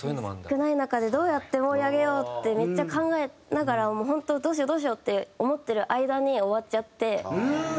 少ない中でどうやって盛り上げようってめっちゃ考えながら本当どうしようどうしようって思ってる間に終わっちゃって。